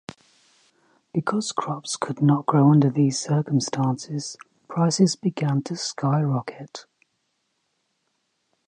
Because crops could not grow under these circumstances, prices began to skyrocket.